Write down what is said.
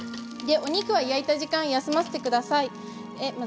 お肉は焼いた時間休ませてください。